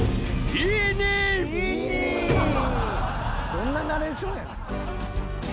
どんなナレーションやねん。